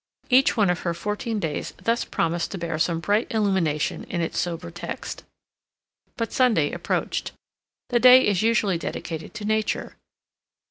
Each one of her fourteen days thus promised to bear some bright illumination in its sober text. But Sunday approached. The day is usually dedicated to Nature.